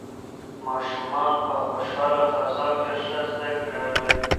ماشومان په خوشحاله فضا کې ښه زده کوي.